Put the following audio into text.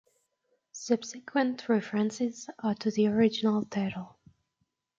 Subsequent references are to the original title.